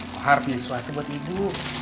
mahar punya sesuatu buat ibu